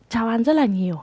cho ăn rất là nhiều